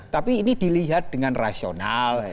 tapi ini dilihat dengan rasional